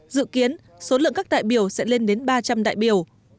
dự kiến số lượng các đại biểu sẽ lên đến ba trăm linh đại biểu